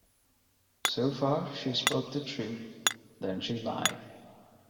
So far she spoke the truth; then she lied.